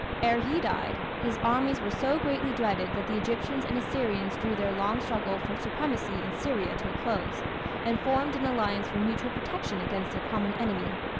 Ere he died his armies were so greatly dreaded that the Egyptians and Assyrians drew their long struggle for supremacy in Syria to a close, and formed an alliance for mutual protection against their common enemy.